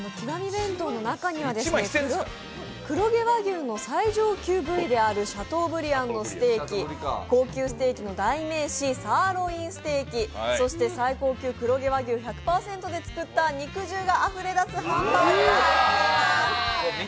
弁当の中には黒毛和牛の最上級部位であるシャトーブリアンのステーキ、高級ステーキの代名詞サーロインステーキ、そして最高級黒毛和牛１００％で作った肉汁があふれ出すハンバーグが入っています。